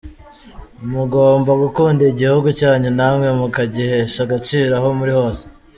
Mugomba gukunda igihugu cyanyu na mwe mukagihesha agaciro aho muri hose.